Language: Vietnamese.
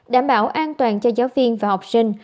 đảm bảo an toàn cho giáo viên và học sinh